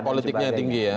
barter politiknya tinggi ya